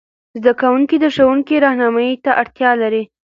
زده کوونکي د ښوونکې رهنمايي ته اړتیا لري.